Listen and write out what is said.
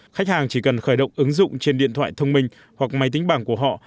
khách hàng chỉ cần khởi động ứng dụng trên điện thoại thông minh hoặc máy tính bảng của họ